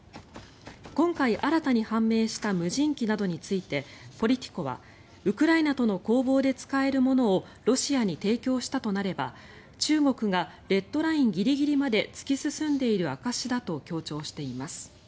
今回、新たに判明した無人機などについてポリティコはウクライナとの攻防で使えるものをロシアに提供したとなれば中国がレッドラインギリギリまで突き進んでいる証しだと強調しています。